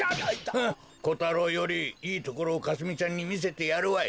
フッコタロウよりいいところをかすみちゃんにみせてやるわい。